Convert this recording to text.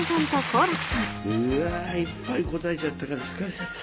いっぱい答えちゃったから疲れちゃった。